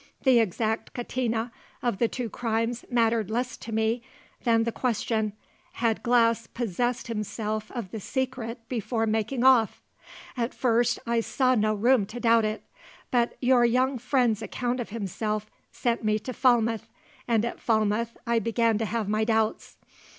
The exact catena of the two crimes mattered less to me than the question: Had Glass possessed himself of the secret before making off? At first I saw no room to doubt it. But your young friend's account of himself sent me to Falmouth, and at Falmouth I began to have my doubts.